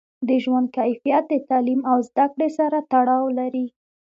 د ژوند کیفیت د تعلیم او زده کړې سره تړاو لري.